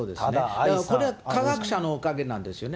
これは科学者のおかげなんですよね。